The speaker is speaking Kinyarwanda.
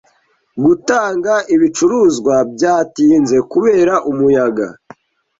Gutanga ibicuruzwa byatinze kubera umuyaga.